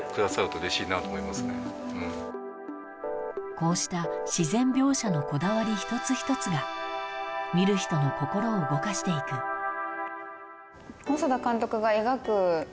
こうした自然描写のこだわり一つ一つが見る人の心を動かして行くっていうふうに。